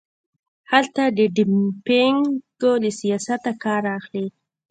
هلته د ډمپینګ له سیاسته کار اخلي.